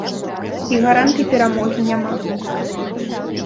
І гарантый перамогі няма.